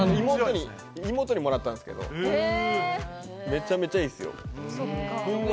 妹にもらったんですけど、めちゃめちゃいいですよ。